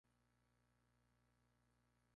Su cuello o diapasón es bastante amplio.